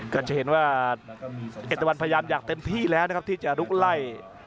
ก็จะเห็นว่าเอกตะวันพยายามอย่างเต็มที่แล้วนะครับที่จะลุกไล่